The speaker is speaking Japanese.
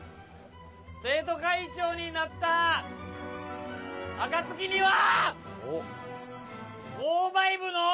生徒会長になった暁には！